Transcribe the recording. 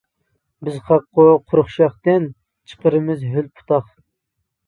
بىز خەققۇ قۇرۇق شاختىن، چىقىرىمىز ھۆل پۇتاق.